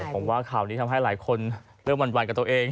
ผมว่าข่าวนี้ทำให้หลายคนเริ่มหวั่นกับตัวเอง